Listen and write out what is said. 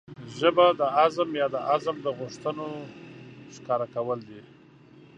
ژبه د عزم يا د عزم د غوښتنو ښکاره کول دي.